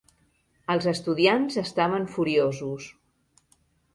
Els estudiants estaven furiosos.